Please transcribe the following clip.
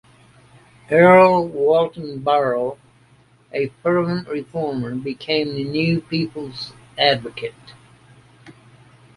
Errol Walton Barrow, a fervent reformer, became the new people's advocate.